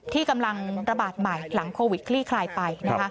ที่กำลังระบาดใหม่หลังโควิดคลี่คลายไป